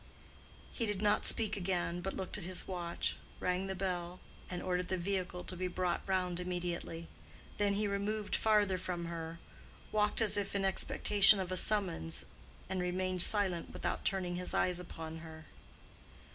He did not speak again, but looked at his watch, rang the bell, and ordered the vehicle to be brought round immediately. Then he removed farther from her, walked as if in expectation of a summons, and remained silent without turning his eyes upon her.